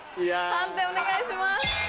判定お願いします。